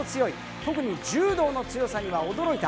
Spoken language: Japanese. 特に柔道の強さには驚いた。